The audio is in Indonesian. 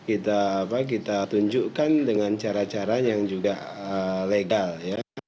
itu kita tunjukkan dengan cara cara yang juga legal ya